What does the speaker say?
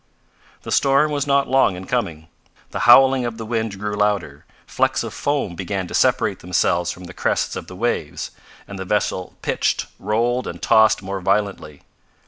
The storm was not long in coming. The howling of the wind grew louder, flecks of foam began to separate themselves from the crests of the waves, and the vessel pitched, rolled and tossed more violently.